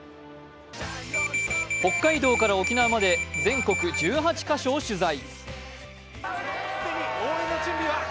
北海道から沖縄まで全国１８か所を取材。